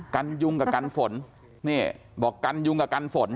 ยุงกับกันฝนนี่บอกกันยุงกับกันฝน